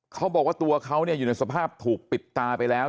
เขาบอกว่าตัวเขาอยู่ในสภาพถูกปิดตาไปแล้ว